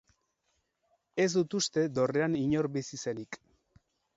Ez dut uste dorrean inor bizi zenik.